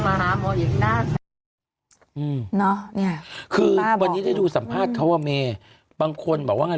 มันคือวันนี้ได้ดูสัมภาษณ์เขาว่าแม่บางคนบอกว่าไง